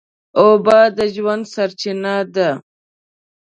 اوبه د ژوند سرچینه ده.